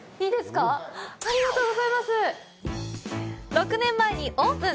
６年前にオープン！